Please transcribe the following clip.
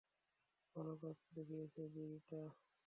ভাল কাজ দেখিয়েছ, রিটা!